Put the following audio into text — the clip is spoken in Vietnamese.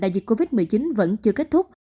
đại dịch covid một mươi chín vẫn chưa kết thúc